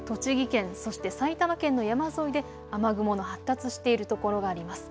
栃木県、そして埼玉県の山沿いで雨雲の発達しているところがあります。